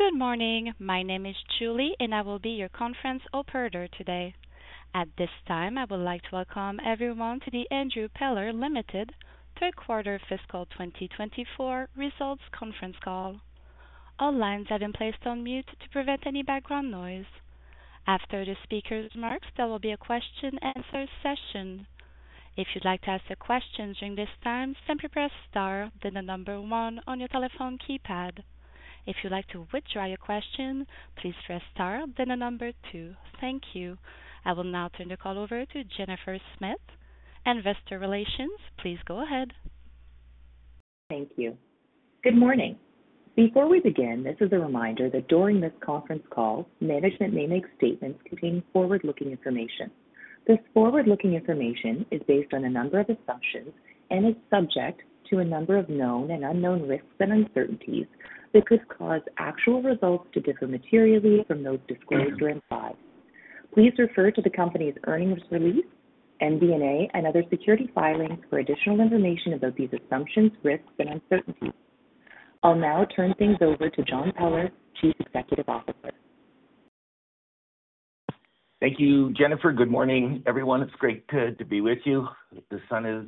Good morning. My name is Julie, and I will be your conference operator today. At this time, I would like to welcome everyone to the Andrew Peller Limited Third Quarter Fiscal 2024 Results Conference Call. All lines have been placed on mute to prevent any background noise. After the speaker's remarks, there will be a question and answer session. If you'd like to ask a question during this time, simply press Star, then the number one on your telephone keypad. If you'd like to withdraw your question, please press Star, then the number two. Thank you. I will now turn the call over to Jennifer Smith, Investor Relations. Please go ahead. Thank you. Good morning. Before we begin, this is a reminder that during this conference call, management may make statements containing forward-looking information. This forward-looking information is based on a number of assumptions and is subject to a number of known and unknown risks and uncertainties that could cause actual results to differ materially from those disclosed or implied. Please refer to the company's earnings release, MD&A, and other securities filings for additional information about these assumptions, risks, and uncertainties. I'll now turn things over to John Peller, Chief Executive Officer. Thank you, Jennifer. Good morning, everyone. It's great to be with you. The sun is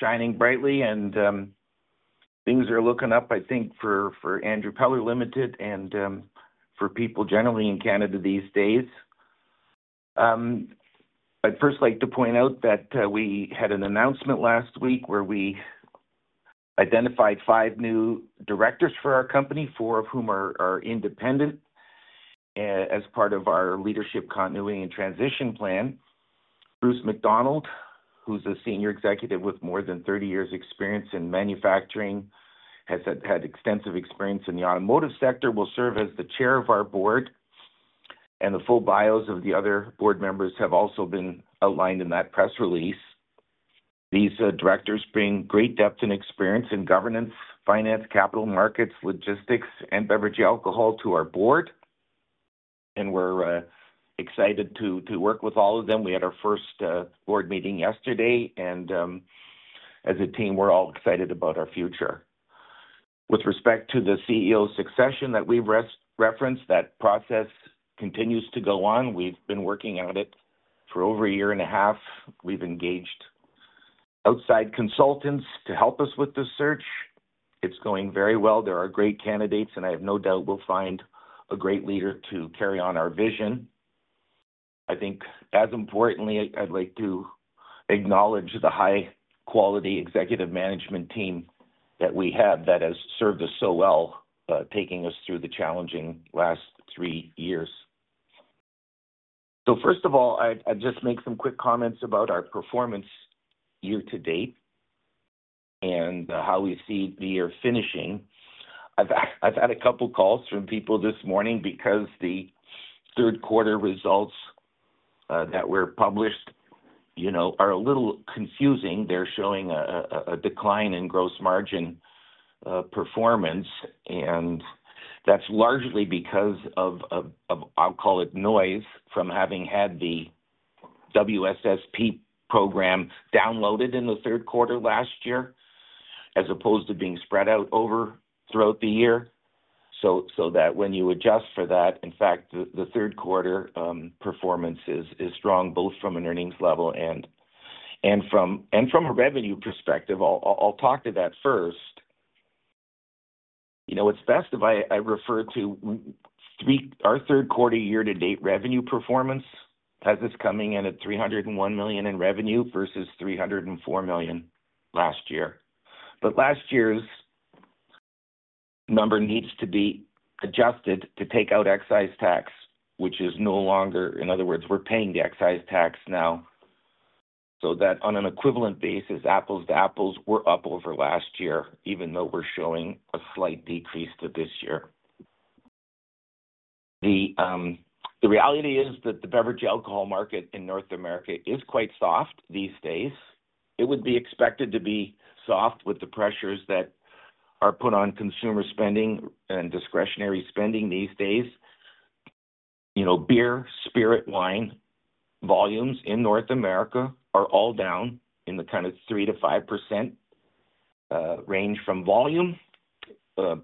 shining brightly, and things are looking up, I think, for Andrew Peller Limited and for people generally in Canada these days. I'd first like to point out that we had an announcement last week where we identified five new directors for our company, four of whom are independent, as part of our leadership continuity and transition plan. Bruce McDonald, who's a senior executive with more than thirty years' experience in manufacturing, has had extensive experience in the automotive sector, will serve as the chair of our board, and the full bios of the other board members have also been outlined in that press release. These directors bring great depth and experience in governance, finance, capital markets, logistics, and beverage alcohol to our board, and we're excited to work with all of them. We had our first board meeting yesterday, and as a team, we're all excited about our future. With respect to the CEO succession that we referenced, that process continues to go on. We've been working at it for over a year and a half. We've engaged outside consultants to help us with the search. It's going very well. There are great candidates, and I have no doubt we'll find a great leader to carry on our vision. I think, as importantly, I'd like to acknowledge the high-quality executive management team that we have that has served us so well, taking us through the challenging last three years. So first of all, I'd just make some quick comments about our performance year to date and how we see the year finishing. I've had a couple calls from people this morning because the third quarter results that were published, you know, are a little confusing. They're showing a decline in gross margin performance, and that's largely because of, I'll call it, noise from having had the WSSP program downloaded in the third quarter last year, as opposed to being spread out over throughout the year. So that when you adjust for that, in fact, the third quarter performance is strong, both from an earnings level and from a revenue perspective. I'll talk to that first. You know, it's best if I refer to three... Our third quarter year-to-date revenue performance has us coming in at 301 million in revenue versus 304 million last year. But last year's number needs to be adjusted to take out excise tax, which is no longer... In other words, we're paying the excise tax now, so that on an equivalent basis, apples to apples, we're up over last year, even though we're showing a slight decrease to this year. The reality is that the beverage alcohol market in North America is quite soft these days. It would be expected to be soft with the pressures that are put on consumer spending and discretionary spending these days. You know, beer, spirit, wine, volumes in North America are all down in the kind of 3%-5% range from volume.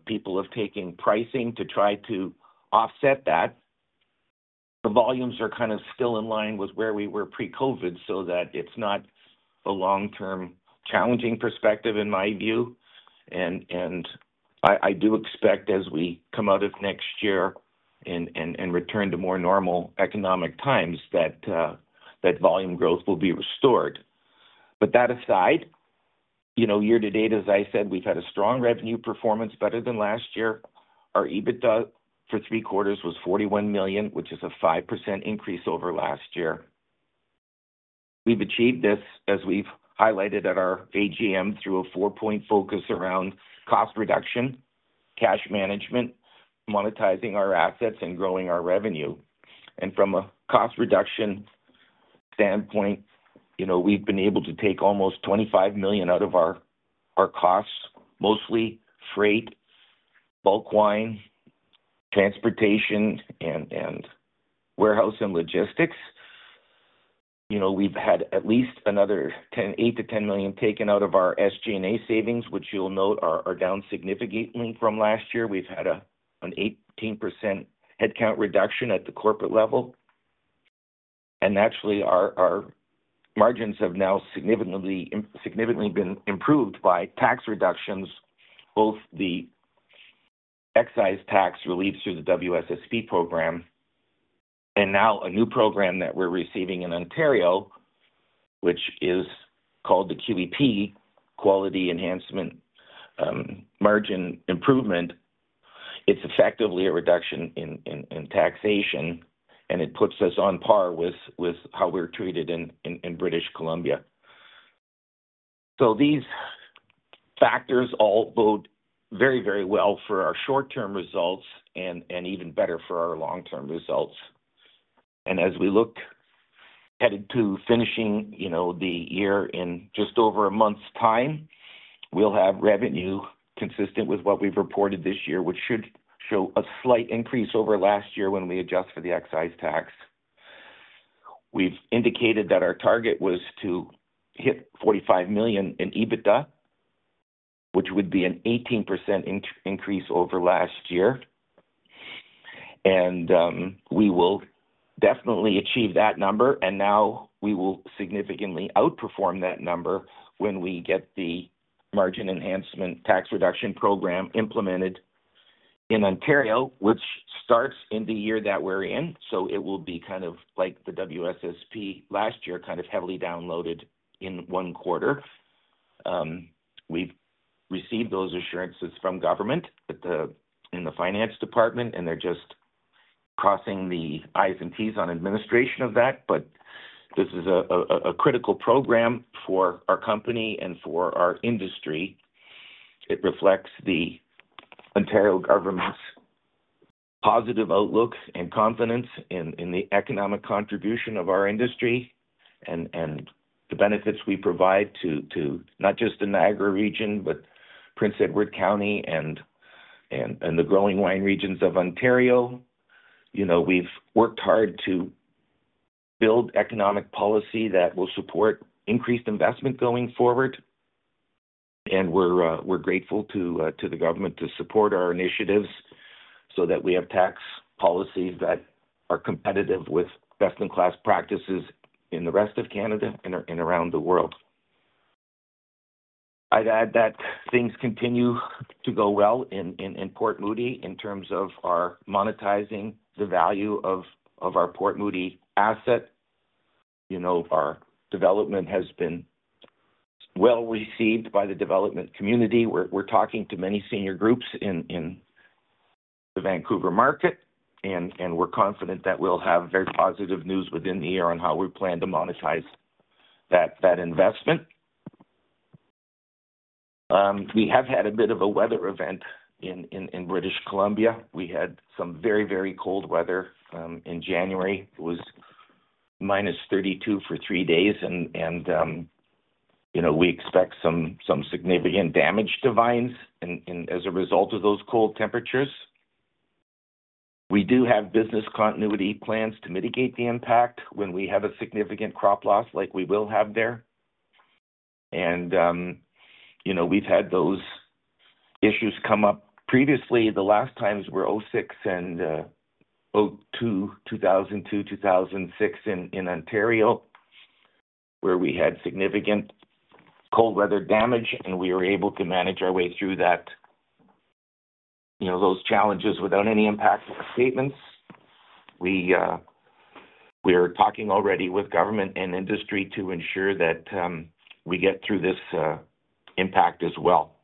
People have taken pricing to try to offset that. The volumes are kind of still in line with where we were pre-COVID, so that it's not a long-term challenging perspective in my view, and I do expect as we come out of next year and return to more normal economic times, that volume growth will be restored. But that aside, you know, year to date, as I said, we've had a strong revenue performance, better than last year. Our EBITDA for three quarters was 41 million, which is a 5% increase over last year. We've achieved this, as we've highlighted at our AGM, through a four-point focus around cost reduction, cash management, monetizing our assets, and growing our revenue. And from a cost reduction standpoint, you know, we've been able to take almost 25 million out of our costs, mostly freight, bulk wine, transportation, and warehouse and logistics. You know, we've had at least another 8-10 million taken out of our SG&A savings, which you'll note are down significantly from last year. We've had an 18% headcount reduction at the corporate level, and naturally, our margins have now significantly, significantly been improved by tax reductions, both the excise tax relief through the WSSP program and now a new program that we're receiving in Ontario, which is called the QEP, Quality Enhancement, Margin Improvement. It's effectively a reduction in taxation, and it puts us on par with how we're treated in British Columbia. So these factors all bode very, very well for our short-term results and even better for our long-term results. As we look headed to finishing, you know, the year in just over a month's time, we'll have revenue consistent with what we've reported this year, which should show a slight increase over last year when we adjust for the excise tax. We've indicated that our target was to hit 45 million in EBITDA, which would be an 18% increase over last year. We will definitely achieve that number, and now we will significantly outperform that number when we get the Margin Enhancement Tax Reduction program implemented in Ontario, which starts in the year that we're in. It will be kind of like the WSSP last year, kind of heavily downloaded in one quarter. We've received those assurances from government in the finance department, and they're just crossing the I's and T's on administration of that. But this is a critical program for our company and for our industry. It reflects the Ontario government's positive outlooks and confidence in the economic contribution of our industry and the benefits we provide to not just the Niagara region, but Prince Edward County and the growing wine regions of Ontario. You know, we've worked hard to build economic policy that will support increased investment going forward, and we're grateful to the government to support our initiatives so that we have tax policies that are competitive with best-in-class practices in the rest of Canada and around the world. I'd add that things continue to go well in Port Moody in terms of our monetizing the value of our Port Moody asset. You know, our development has been well received by the development community. We're talking to many senior groups in the Vancouver market, and we're confident that we'll have very positive news within the year on how we plan to monetize that investment. We have had a bit of a weather event in British Columbia. We had some very cold weather in January. It was minus 32 for 3 days, and you know, we expect some significant damage to vines and as a result of those cold temperatures. We do have business continuity plans to mitigate the impact when we have a significant crop loss like we will have there. And you know, we've had those issues come up previously. The last times were 2006 and 2002 in Ontario, where we had significant cold weather damage, and we were able to manage our way through that, you know, those challenges without any impact to the statements. We are talking already with government and industry to ensure that we get through this impact as well.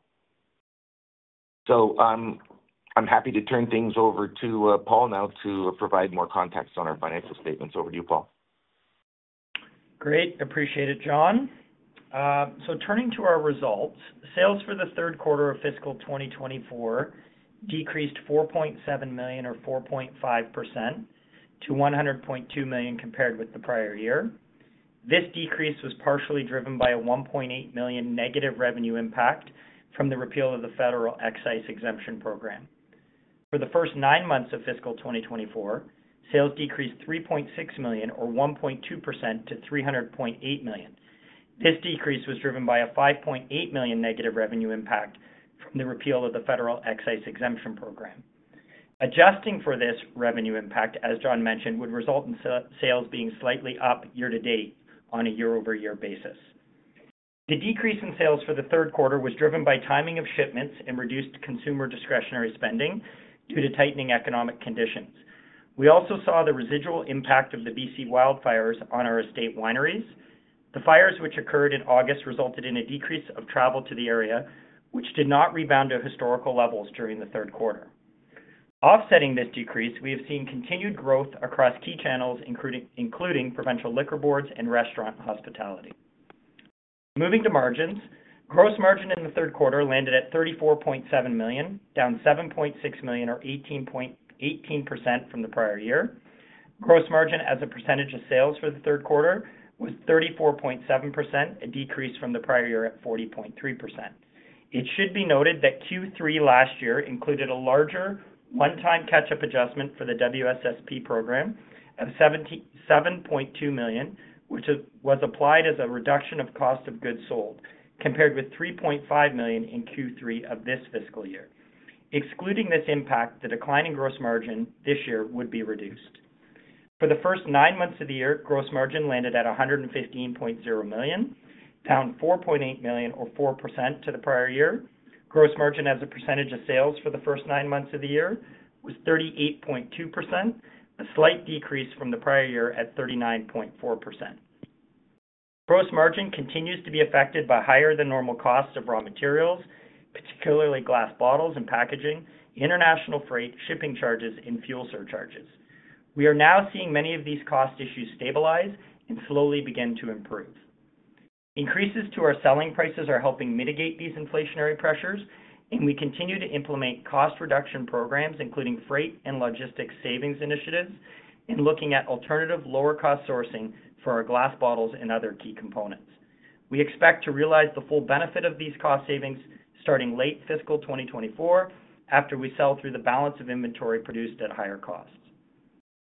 I'm happy to turn things over to Paul now to provide more context on our financial statements. Over to you, Paul. Great. Appreciate it, John. So turning to our results. Sales for the third quarter of fiscal 2024 decreased 4.7 million, or 4.5%, to 100.2 million, compared with the prior year. This decrease was partially driven by a 1.8 million negative revenue impact from the repeal of the Federal Excise Exemption program. For the first nine months of fiscal 2024, sales decreased 3.6 million, or 1.2% to 300.8 million. This decrease was driven by a 5.8 million negative revenue impact from the repeal of the Federal Excise Exemption program. Adjusting for this revenue impact, as John mentioned, would result in sales being slightly up year-to-date on a year-over-year basis. The decrease in sales for the third quarter was driven by timing of shipments and reduced consumer discretionary spending due to tightening economic conditions. We also saw the residual impact of the BC wildfires on our estate wineries. The fires, which occurred in August, resulted in a decrease of travel to the area, which did not rebound to historical levels during the third quarter. Offsetting this decrease, we have seen continued growth across key channels, including provincial liquor boards and restaurant hospitality. Moving to margins. Gross margin in the third quarter landed at 34.7 million, down 7.6 million, or 18% from the prior year. Gross margin as a percentage of sales for the third quarter was 34.7%, a decrease from the prior year at 40.3%.... It should be noted that Q3 last year included a larger one-time catch-up adjustment for the WSSP program of 77.2 million, which was applied as a reduction of cost of goods sold, compared with 3.5 million in Q3 of this fiscal year. Excluding this impact, the decline in gross margin this year would be reduced. For the first nine months of the year, gross margin landed at 115.0 million, down 4.8 million, or 4% to the prior year. Gross margin as a percentage of sales for the first nine months of the year was 38.2%, a slight decrease from the prior year at 39.4%. Gross margin continues to be affected by higher than normal costs of raw materials, particularly glass bottles and packaging, international freight, shipping charges, and fuel surcharges. We are now seeing many of these cost issues stabilize and slowly begin to improve. Increases to our selling prices are helping mitigate these inflationary pressures, and we continue to implement cost reduction programs, including freight and logistics savings initiatives, and looking at alternative, lower-cost sourcing for our glass bottles and other key components. We expect to realize the full benefit of these cost savings starting late fiscal 2024, after we sell through the balance of inventory produced at higher costs.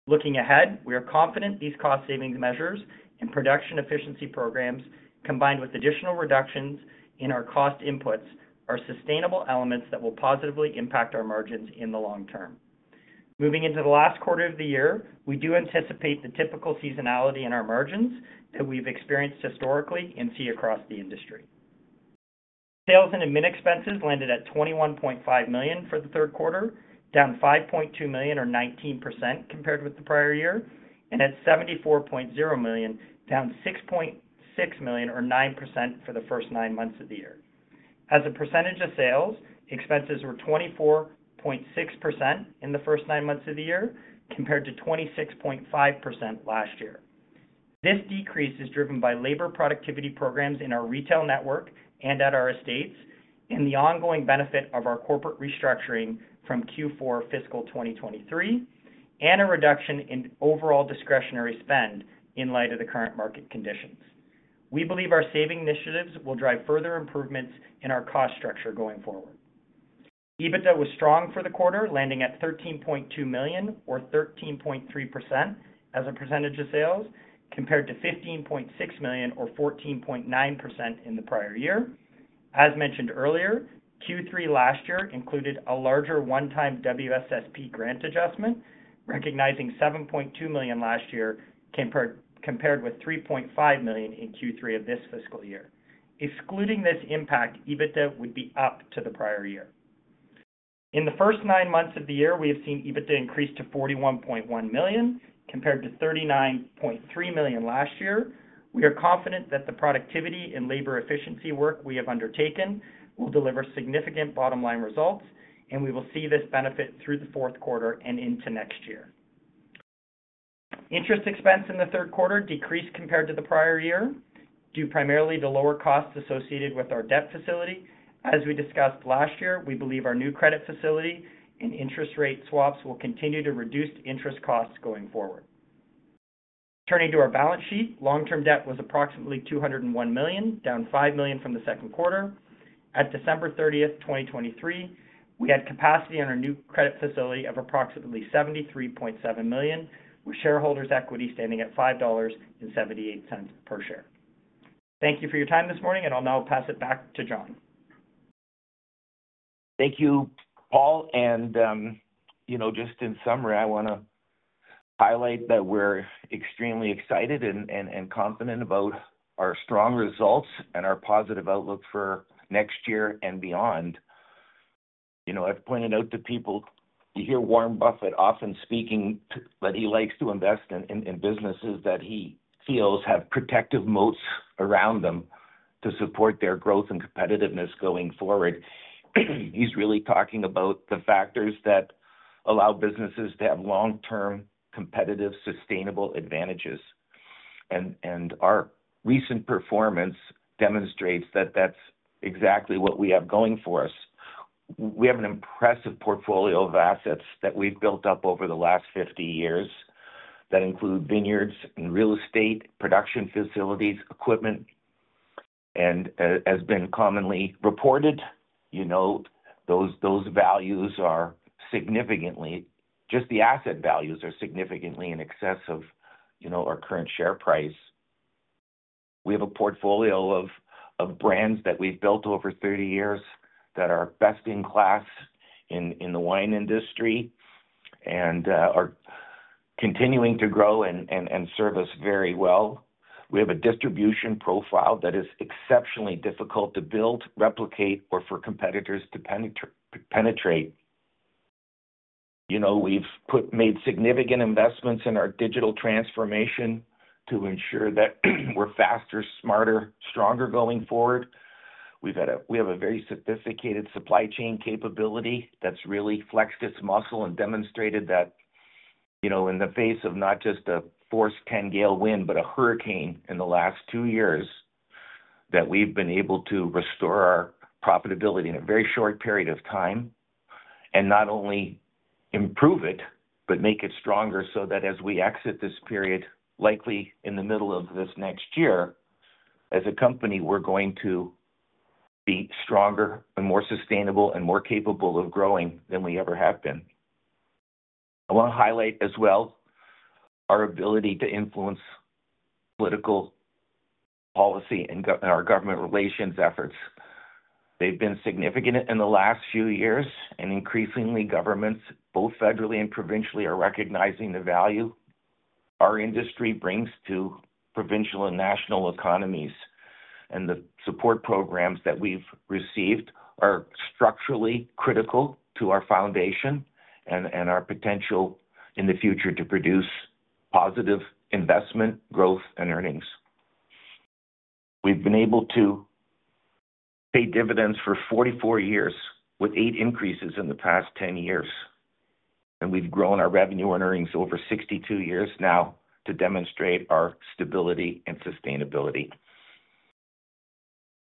Looking ahead, we are confident these cost savings measures and production efficiency programs, combined with additional reductions in our cost inputs, are sustainable elements that will positively impact our margins in the long term. Moving into the last quarter of the year, we do anticipate the typical seasonality in our margins that we've experienced historically and see across the industry. Sales and admin expenses landed at 21.5 million for the third quarter, down 5.2 million or 19% compared with the prior year, and at 74.0 million, down 6.6 million or 9% for the first nine months of the year. As a percentage of sales, expenses were 24.6% in the first nine months of the year, compared to 26.5% last year. This decrease is driven by labor productivity programs in our retail network and at our estates, and the ongoing benefit of our corporate restructuring from Q4 fiscal 2023, and a reduction in overall discretionary spend in light of the current market conditions. We believe our saving initiatives will drive further improvements in our cost structure going forward. EBITDA was strong for the quarter, landing at 13.2 million or 13.3% as a percentage of sales, compared to 15.6 million or 14.9% in the prior year. As mentioned earlier, Q3 last year included a larger one-time WSSP grant adjustment, recognizing 7.2 million last year compared with 3.5 million in Q3 of this fiscal year. Excluding this impact, EBITDA would be up to the prior year. In the first nine months of the year, we have seen EBITDA increase to 41.1 million, compared to 39.3 million last year. We are confident that the productivity and labor efficiency work we have undertaken will deliver significant bottom-line results, and we will see this benefit through the fourth quarter and into next year. Interest expense in the third quarter decreased compared to the prior year, due primarily to lower costs associated with our debt facility. As we discussed last year, we believe our new credit facility and interest rate swaps will continue to reduce interest costs going forward. Turning to our balance sheet, long-term debt was approximately 201 million, down 5 million from the second quarter. At December 30, 2023, we had capacity on our new credit facility of approximately 73.7 million, with shareholders' equity standing at 5.78 dollars per share. Thank you for your time this morning, and I'll now pass it back to John. Thank you, Paul. And you know, just in summary, I want to highlight that we're extremely excited and confident about our strong results and our positive outlook for next year and beyond. You know, I've pointed out to people, you hear Warren Buffett often speaking, that he likes to invest in businesses that he feels have protective moats around them to support their growth and competitiveness going forward. He's really talking about the factors that allow businesses to have long-term, competitive, sustainable advantages. And our recent performance demonstrates that that's exactly what we have going for us. We have an impressive portfolio of assets that we've built up over the last 50 years that include vineyards and real estate, production facilities, equipment. And as has been commonly reported, you know, those values are significantly... Just the asset values are significantly in excess of, you know, our current share price. We have a portfolio of brands that we've built over 30 years that are best-in-class in the wine industry and are continuing to grow and serve us very well. We have a distribution profile that is exceptionally difficult to build, replicate, or for competitors to penetrate. You know, we've made significant investments in our digital transformation to ensure that we're faster, smarter, stronger going forward. We have a very sophisticated supply chain capability that's really flexed its muscle and demonstrated that, you know, in the face of not just a Force Ten gale wind, but a hurricane in the last 2 years, that we've been able to restore our profitability in a very short period of time. Not only improve it, but make it stronger so that as we exit this period, likely in the middle of this next year, as a company, we're going to be stronger and more sustainable and more capable of growing than we ever have been. I want to highlight as well our ability to influence political policy and our government relations efforts. They've been significant in the last few years, and increasingly, governments, both federally and provincially, are recognizing the value our industry brings to provincial and national economies. The support programs that we've received are structurally critical to our foundation and our potential in the future to produce positive investment, growth, and earnings. We've been able to pay dividends for 44 years, with 8 increases in the past 10 years, and we've grown our revenue and earnings over 62 years now to demonstrate our stability and sustainability.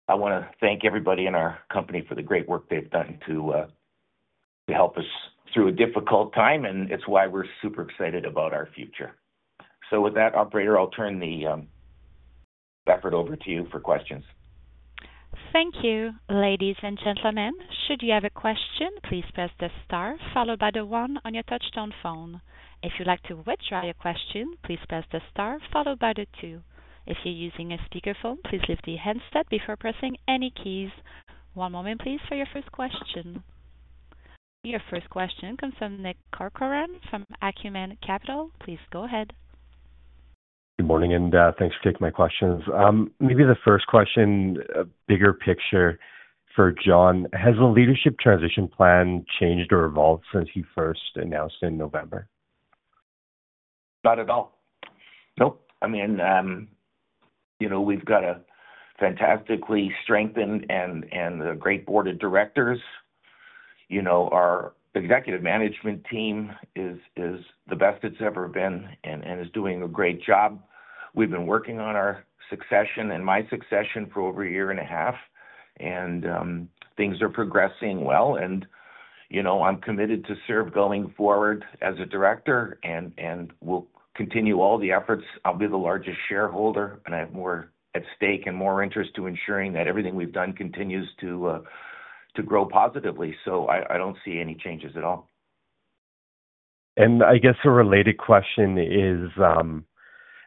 I want to thank everybody in our company for the great work they've done to, to help us through a difficult time, and it's why we're super excited about our future. With that, operator, I'll turn the, effort over to you for questions. Thank you. Ladies and gentlemen, should you have a question, please press the star followed by the one on your touchtone phone. If you'd like to withdraw your question, please press the star followed by the two. If you're using a speakerphone, please lift the handset before pressing any keys. One moment, please, for your first question. Your first question comes from Nick Corcoran from Acumen Capital. Please go ahead. Good morning, and thanks for taking my questions. Maybe the first question, a bigger picture for John. Has the leadership transition plan changed or evolved since you first announced in November? Not at all. Nope. I mean, you know, we've got a fantastically strengthened and a great board of directors. You know, our executive management team is the best it's ever been and is doing a great job. We've been working on our succession and my succession for over a year and a half, and things are progressing well, and, you know, I'm committed to serve going forward as a director and will continue all the efforts. I'll be the largest shareholder, and I have more at stake and more interest to ensuring that everything we've done continues to grow positively. So I don't see any changes at all. I guess a related question is,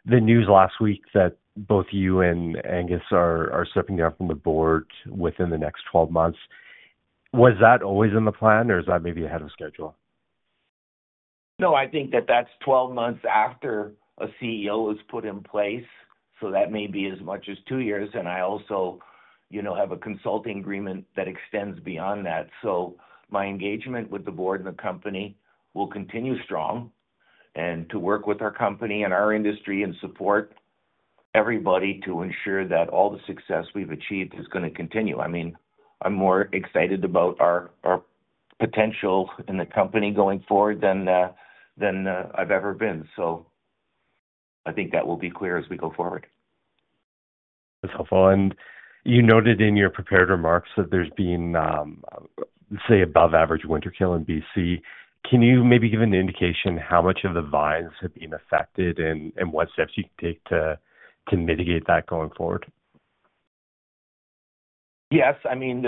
the news last week that both you and Angus are stepping down from the board within the next 12 months. Was that always in the plan, or is that maybe ahead of schedule? No, I think that that's 12 months after a CEO is put in place, so that may be as much as 2 years. And I also, you know, have a consulting agreement that extends beyond that. So my engagement with the board and the company will continue strong and to work with our company and our industry and support everybody to ensure that all the success we've achieved is gonna continue. I mean, I'm more excited about our potential in the company going forward than I've ever been. So I think that will be clear as we go forward. That's helpful. And you noted in your prepared remarks that there's been, say, above average winter kill in BC. Can you maybe give an indication how much of the vines have been affected and what steps you can take to mitigate that going forward? Yes, I mean,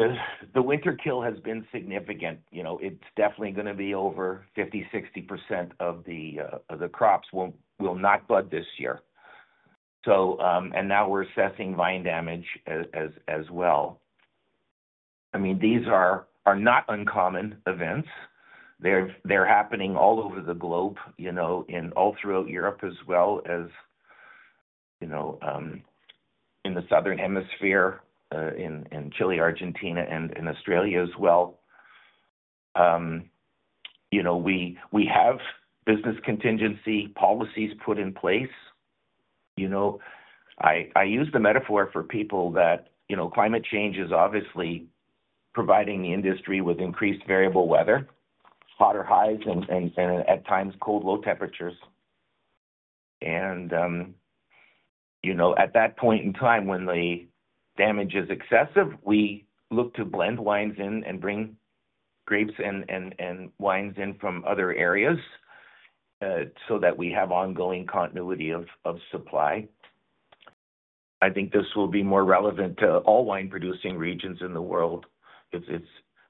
the winter kill has been significant. You know, it's definitely gonna be over 50-60% of the crops will not bud this year. So, now we're assessing vine damage as well. I mean, these are not uncommon events. They're happening all over the globe, you know, throughout Europe as well as, you know, in the Southern Hemisphere, in Chile, Argentina, and in Australia as well. You know, we have business contingency policies put in place. You know, I use the metaphor for people that, you know, climate change is obviously providing the industry with increased variable weather, hotter highs and at times, cold, low temperatures. And, you know, at that point in time, when the damage is excessive, we look to blend wines in and bring grapes and wines in from other areas, so that we have ongoing continuity of supply. I think this will be more relevant to all wine-producing regions in the world. It's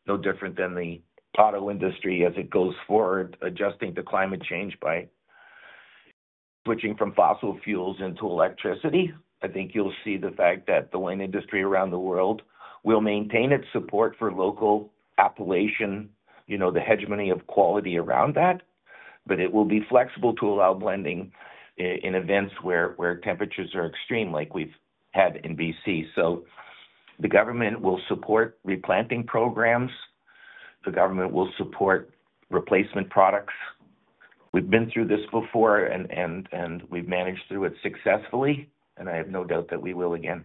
no different than the auto industry as it goes forward, adjusting to climate change by switching from fossil fuels into electricity. I think you'll see the fact that the wine industry around the world will maintain its support for local appellation, you know, the hegemony of quality around that, but it will be flexible to allow blending in events where temperatures are extreme, like we've had in BC. So the government will support replanting programs. The government will support replacement products. We've been through this before, and we've managed through it successfully, and I have no doubt that we will again.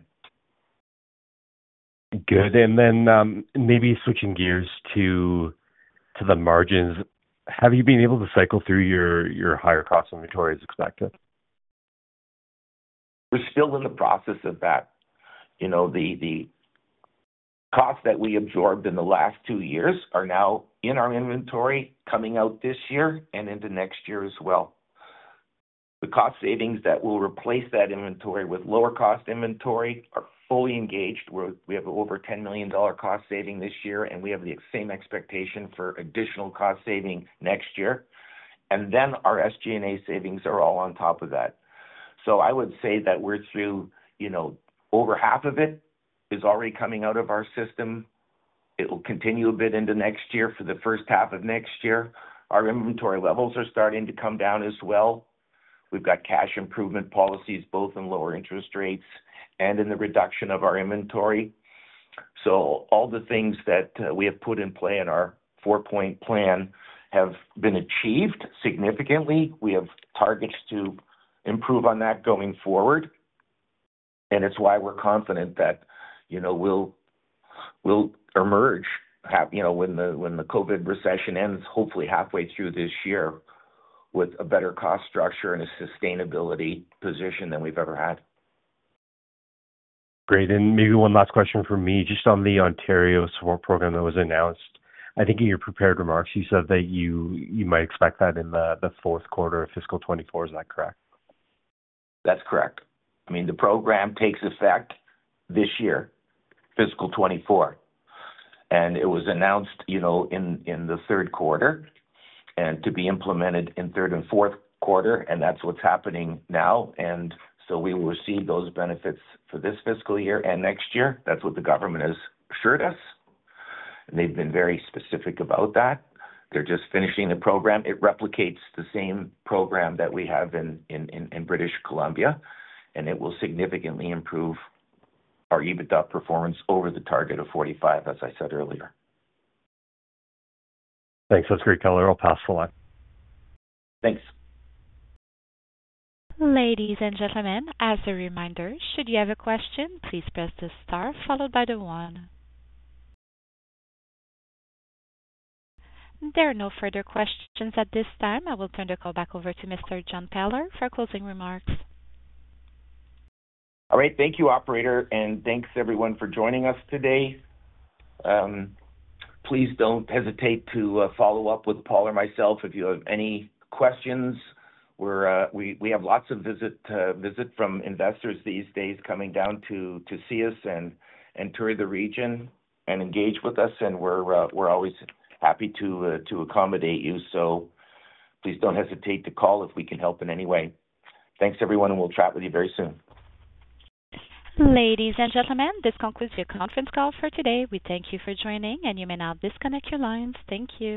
Good. And then, maybe switching gears to the margins, have you been able to cycle through your higher cost inventory as expected?... We're still in the process of that. You know, the costs that we absorbed in the last two years are now in our inventory, coming out this year and into next year as well. The cost savings that will replace that inventory with lower cost inventory are fully engaged. We have over 10 million dollar cost saving this year, and we have the same expectation for additional cost saving next year. And then our SG&A savings are all on top of that. So I would say that we're through, you know, over half of it is already coming out of our system. It will continue a bit into next year, for the first half of next year. Our inventory levels are starting to come down as well. We've got cash improvement policies, both in lower interest rates and in the reduction of our inventory. All the things that we have put in play in our four-point plan have been achieved significantly. We have targets to improve on that going forward, and it's why we're confident that, you know, we'll emerge. You know, when the COVID recession ends, hopefully halfway through this year, with a better cost structure and a sustainability position than we've ever had. Great. Maybe one last question from me, just on the Ontario support program that was announced. I think in your prepared remarks, you said that you might expect that in the fourth quarter of fiscal 2024. Is that correct? That's correct. I mean, the program takes effect this year, fiscal 2024, and it was announced, you know, in the third quarter, and to be implemented in third and fourth quarter, and that's what's happening now. So we will receive those benefits for this fiscal year and next year. That's what the government has assured us, and they've been very specific about that. They're just finishing the program. It replicates the same program that we have in British Columbia, and it will significantly improve our EBITDA performance over the target of 45, as I said earlier. Thanks. That's great, Taylor. I'll pass the line. Thanks. Ladies and gentlemen, as a reminder, should you have a question, please press the star followed by the one. There are no further questions at this time. I will turn the call back over to Mr. John Peller for closing remarks. All right. Thank you, operator, and thanks everyone for joining us today. Please don't hesitate to follow up with Paul or myself if you have any questions. We have lots of visits from investors these days coming down to see us and tour the region and engage with us, and we're always happy to accommodate you. So please don't hesitate to call if we can help in any way. Thanks, everyone, and we'll chat with you very soon. Ladies and gentlemen, this concludes your conference call for today. We thank you for joining, and you may now disconnect your lines. Thank you.